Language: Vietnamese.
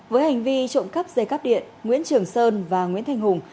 với hành vi trộm cắp dây cắp điện nguyễn trường sơn và nguyễn thanh hùng